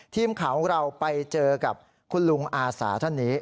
ทีมข่าวของเราไปเจอกับคุณลุงอาสาท่านนี้